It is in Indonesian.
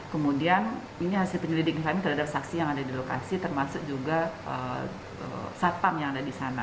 kemudian ini hasil penyelidikan kami terhadap saksi yang ada di lokasi termasuk juga satpam yang ada di sana